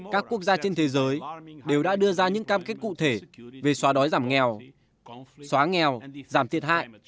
các quốc gia trên thế giới đều đã đưa ra những cam kết cụ thể về xóa đói giảm nghèo xóa nghèo giảm thiệt hại